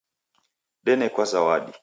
Denekwa zawadi